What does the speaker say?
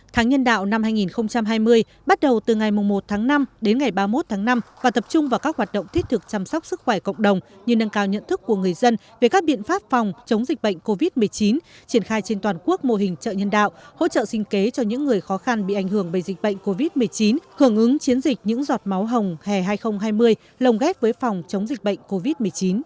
tháng nhân đạo năm hai nghìn hai mươi bắt đầu từ ngày một tháng năm đến ngày ba mươi một tháng năm và tập trung vào các hoạt động thiết thực chăm sóc sức khỏe cộng đồng như nâng cao nhận thức của người dân về các biện pháp phòng chống dịch bệnh covid một mươi chín triển khai trên toàn quốc mô hình chợ nhân đạo hỗ trợ sinh kế cho những người khó khăn bị ảnh hưởng bởi dịch bệnh covid một mươi chín hưởng ứng chiến dịch những giọt máu hồng hè hai nghìn hai mươi lồng ghép với phòng chống dịch bệnh covid một mươi chín